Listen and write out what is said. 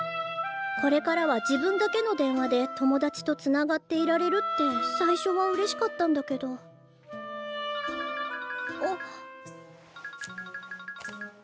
これからは自分だけの電話で友達とつながっていられるって最初はうれしかったんだけどあ。